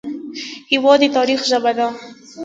هېواد د تاریخ ژبه ده.